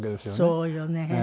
そうよね。